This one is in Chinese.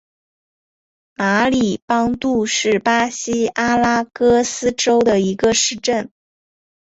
马里邦杜是巴西阿拉戈斯州的一个市镇。